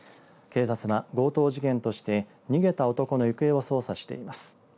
警察は、強盗事件として逃げた男の行方を捜査しています。